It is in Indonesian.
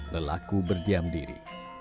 lelaku berdiam diri